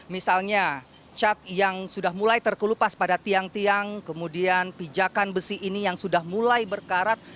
misalnya cat yang sudah mulai terkelupas pada tiang tiang kemudian pijakan besi ini yang sudah mulai berkarat